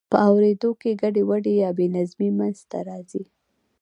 په اوریدو کې ګډوډي یا بې نظمي منځ ته راځي.